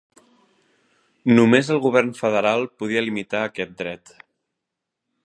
Només el govern federal podia limitar aquest dret.